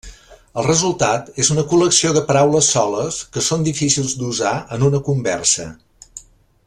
El resultat és una col·lecció de paraules soles que són difícils d'usar en una conversa.